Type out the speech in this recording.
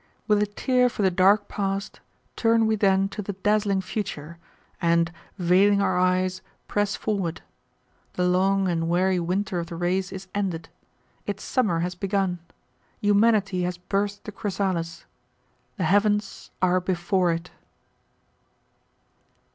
With a tear for the dark past, turn we then to the dazzling future, and, veiling our eyes, press forward. The long and weary winter of the race is ended. Its summer has begun. Humanity has burst the chrysalis. The heavens are before it."